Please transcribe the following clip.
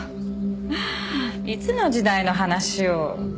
フッいつの時代の話を。